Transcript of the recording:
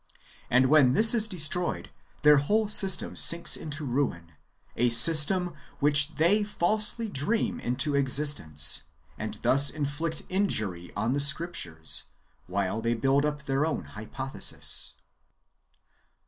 And when this is destroyed, their whole system sinks into ruin, — a system which they falsely dream into existence, and thus inflict injury on the Scriptures, while they build up their own hypothesis.